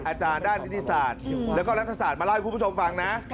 อาจารย์ด้านนิติศาสตร์แล้วก็รัฐศาสตร์มาเล่าให้คุณผู้ชมฟังนะ